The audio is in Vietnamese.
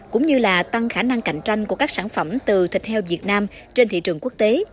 cũng như là tăng khả năng cạnh tranh của các sản phẩm từ thịt heo việt nam trên thị trường quốc tế